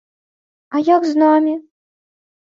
А як з намі?